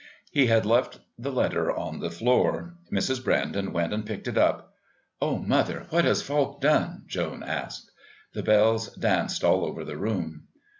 He had left the letter on the floor. Mrs. Brandon went and picked it up. "Oh, mother, what has Falk done?" Joan asked. The bells danced all over the room.